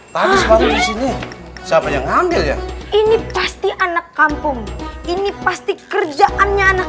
tadi selalu disini siapanya nganggil ya ini pasti anak kampung ini pasti kerjaannya anak